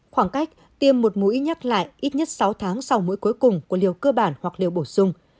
khoảng cách tiêm một mũi nhắc lại ít nhất sáu tháng sau mũi cuối cùng của liều cơ bản hoặc liều bổ sung